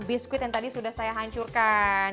biskuit yang tadi sudah saya hancurkan